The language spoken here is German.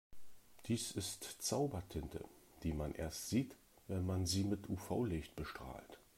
Dies ist Zaubertinte, die man erst sieht, wenn man sie mit UV-Licht bestrahlt.